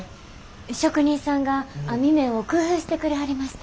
職人さんが網目を工夫してくれはりました。